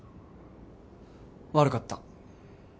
悪かった。